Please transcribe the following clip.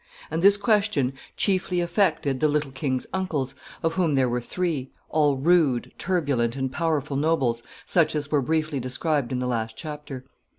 And this question chiefly affected the little king's uncles, of whom there were three all rude, turbulent, and powerful nobles, such as were briefly described in the last chapter.